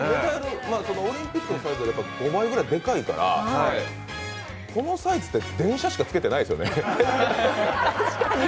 オリンピックのサイズより５倍くらいデカイからこのサイズって電車しかつけてないですよね。